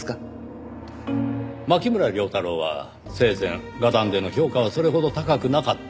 牧村遼太郎は生前画壇での評価はそれほど高くなかった。